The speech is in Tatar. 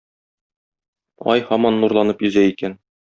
Ай һаман нурланып йөзә икән.